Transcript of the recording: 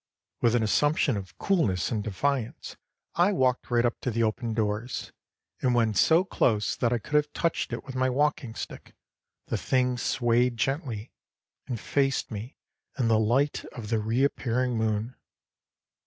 With an assumption of coolness and defiance I walked right up to the open doors; and when so close that I could have touched it with my walking stick, the thing swayed gently and faced me in the light of the re appearing moon.